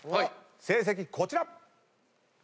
成績こちら！